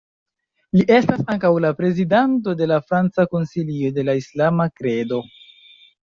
Li estas ankaŭ la prezidanto de la Franca Konsilio de la Islama Kredo.